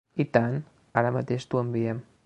I tant, ara mateix t'ho enviem.